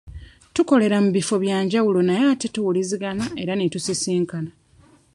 Tukolera mu bifo bya njawulo naye ate tuwuliziganya era ne tusisinkana.